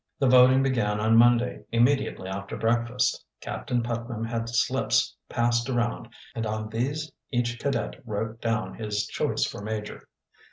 The voting began on Monday immediately after breakfast. Captain Putnam had slips passed around and on these each cadet wrote down his choice for major.